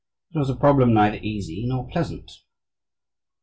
It was a problem neither easy nor pleasant.